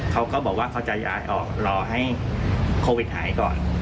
เขาก็บอกว่าเขาจะย้ายออกรอให้โควิดหายก่อน